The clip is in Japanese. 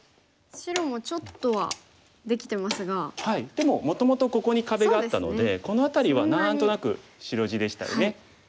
でももともとここに壁があったのでこの辺りは何となく白地でしたよね。